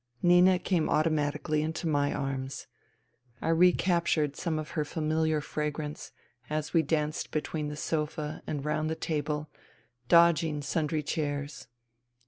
Nina came automatically into my arms. I recaptured some of her familiar fragrance, as we danced between the sofa and round the table, dodging sundry chairs.